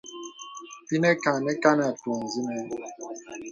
Ìnə kâ nə kan atûŋ sìnə.